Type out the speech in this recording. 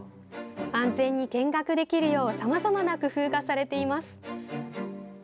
安全に見学できるようさまざまな工夫がされています。